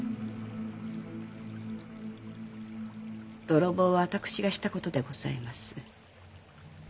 泥棒は私がした事でございます。